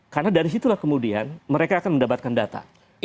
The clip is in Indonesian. karena dari situlah kemudian mereka akan mendapatkan data